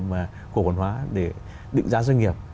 mà cổ quần hóa để định giá doanh nghiệp